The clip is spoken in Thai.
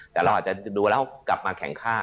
แต่เราอาจจะดูแล้วกลับมาแข็งค่า